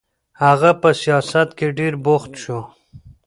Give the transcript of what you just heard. هغه په سیاست کې ډېر بوخت شو.